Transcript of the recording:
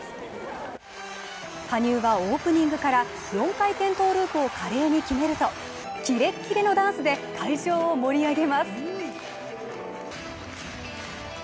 羽生はオープニングから４回転トウループを華麗に決めると、キレッキレのダンスで会場を盛り上げます。